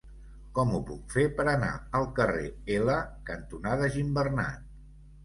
Com ho puc fer per anar al carrer L cantonada Gimbernat?